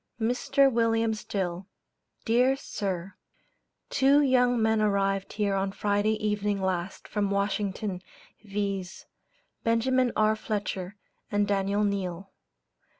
MR. WILLIAM STILL: Dear Sir Two young men arrived here on Friday evening last from Washington, viz: Benjamin R. Fletcher and Daniel Neall.